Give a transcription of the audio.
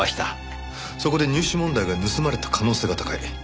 そこで入試問題が盗まれた可能性が高い。